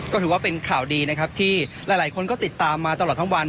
ก็ถือว่าเป็นข่าวดีนะครับที่หลายคนก็ติดตามมาตลอดทั้งวัน